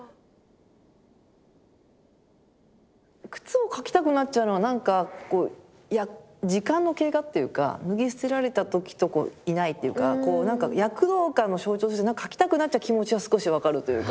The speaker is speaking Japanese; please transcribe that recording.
靴を描きたくなっちゃうのはなんか時間の経過っていうか脱ぎ捨てられた時といないっていうかこうなんか躍動感の象徴として描きたくなっちゃう気持ちは少し分かるというか。